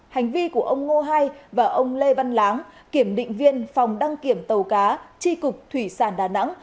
hành vi của ông ngô hai và ông lê văn láng kiểm định viên phòng đăng kiểm tàu cá tri cục thủy sản đà nẵng